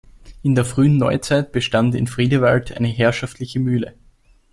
In der Frühen Neuzeit bestand in Friedewald eine herrschaftliche Mühle.